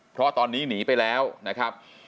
เพราะตอนนี้หนีไปแล้วนะครับ